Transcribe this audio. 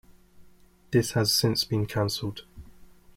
This has since been cancelled.